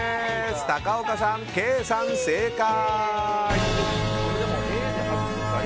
高岡さん、ケイさん、正解！